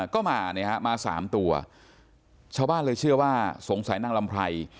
ก็มา๓ตัวเจ้าบ้านเลยเชื่อว่าสงสัยนางลำไพร